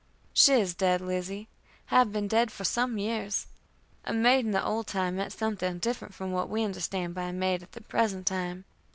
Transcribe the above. "She is dead, Lizzie. Has been dead for some years. A maid in the old time meant something different from what we understand by a maid at the present time.